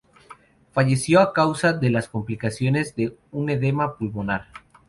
Falleció a causa de las complicaciones de un edema pulmonar.